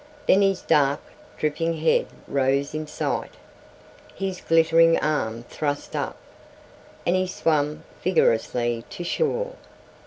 Then his dark, dripping head rose in sight, his glittering arm thrust up, and he swam vigorously to shore.